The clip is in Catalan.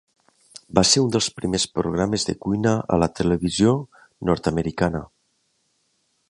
Va ser un dels primers programes de cuina a la televisió nord-americana.